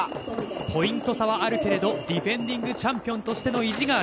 ポイント差はあるけれどディフェンディングチャンピオンとしての意地がある。